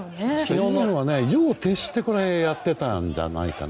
本来は夜を徹してやっていたんじゃないかな